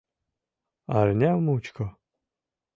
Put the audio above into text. Арня мучко